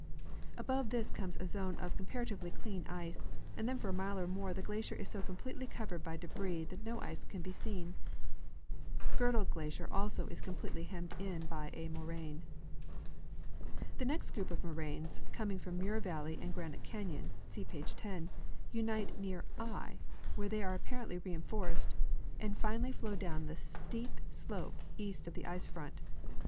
Above this comes a zone of comparatively clean ice, and then for a mile or more the glacier is so completely covered by debris that no ice can be seen. Girdled glacier also is completely hennried in by a moraine. The next group of moraines, coming from Main valle}^ and Granite canyon (see plate 10), unite near /, where the}^ are ap parently reinforced, and finally flow down the steep slope east of the ice front.